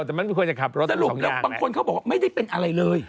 สรุปแล้วบางคนเขาบอกไม่ได้เป็นอะไรเลย